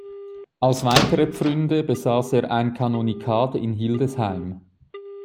Als weitere Pfründe besaß er ein Kanonikat in Hildesheim.